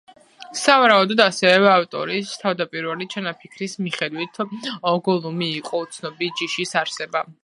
სავარაუდოდ, ასევე ავტორის თავდაპირველი ჩანაფიქრის მიხედვით, გოლუმი იყო უცნობი ჯიშის არსება.